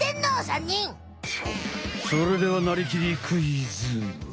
それではなりきりクイズ！